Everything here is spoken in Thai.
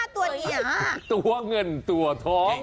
ตัวเงินตัวท้อง